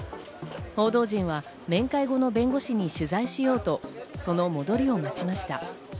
報道陣は面会後の弁護士に取材しようと、その戻りを待ちました。